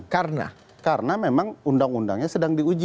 karena memang undang undangnya sedang diuji